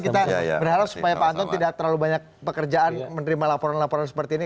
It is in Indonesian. kita berharap supaya pak anton tidak terlalu banyak pekerjaan menerima laporan laporan seperti ini